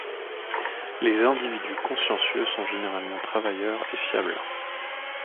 Les individus consciencieux sont généralement travailleurs et fiables.